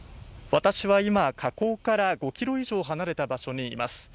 私は今、火口から５ｋｍ以上離れた場所にいます。